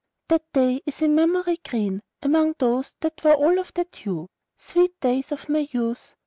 That day is in memory green Among those that were all of that hue; Sweet days of my youth!